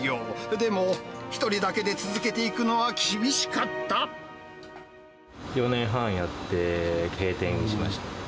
でも、１人だけで続けていくのは４年半やって閉店しました。